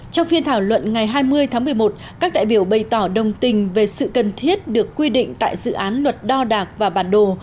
trong phiên thảo luận ngày hai mươi tháng một mươi một các đại biểu bày tỏ đồng tình về sự cần thiết được quy định tại dự án luật đo đạc và bản đồ